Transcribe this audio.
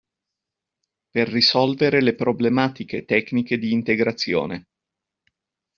Per risolvere le problematiche tecniche di integrazione.